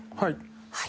はい。